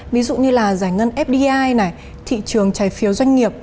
ví dụ như là giải ngân fdi này thị trường trái phiếu doanh nghiệp